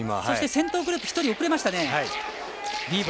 そして先頭グループ１人、遅れました。